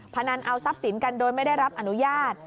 พนันเอาทรัพย์สินกันโดยไม่ได้รับอนุญาต